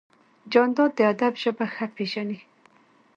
جانداد د ادب ژبه ښه پېژني.